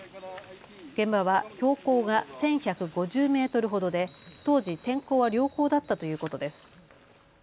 現場は標高が１１５０メートルほどで当時、天候は良好だったということです。